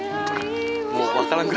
もう。